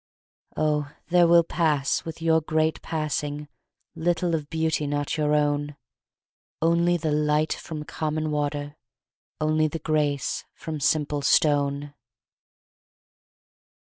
Oh, there will pass with your great passing Little of beauty not your own, Only the light from common water, Only the grace from simple stone!